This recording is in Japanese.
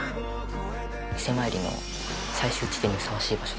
伊勢参りの最終地点にふさわしい場所。